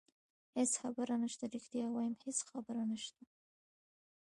هېڅ خبره نشته، رښتیا وایم هېڅ خبره نشته.